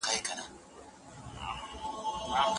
تاريخ موږ ته د تېرو سياستونو پايلي ښيي.